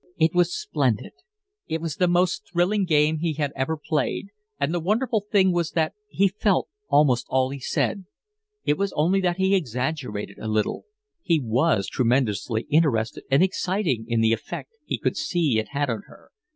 It was splendid. It was the most thrilling game he had ever played; and the wonderful thing was that he felt almost all he said. It was only that he exaggerated a little. He was tremendously interested and excited in the effect he could see it had on her.